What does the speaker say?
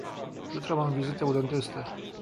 Jutro mam wizytę u dentysty.